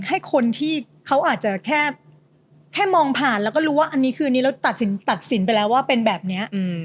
ให้คนที่เขาอาจจะแค่มองผ่านแล้วก็รู้ว่าอันนี้คืออันนี้เราตัดสินตัดสินไปแล้วว่าเป็นแบบนี้